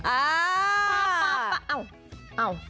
อ้าาาาาาาาป๊าป๊าป๊าอ้าวอ้าว